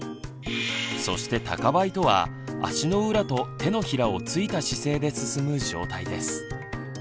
そして高ばいとは足の裏と手のひらをついた姿勢で進む状態です。